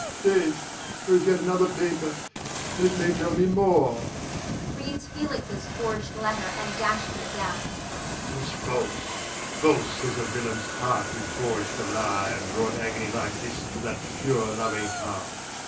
Stay, there is another paper, and it may tell me more. [Reads Felix's forged letter and dashes it down.] 'Tis false, false as the villain's heart who forged the lie and brought agony like this to that pure, loving heart.